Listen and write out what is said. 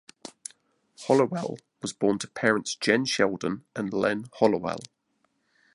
Hollowell was born to parents Jenn Sheldon and Len Hollowell.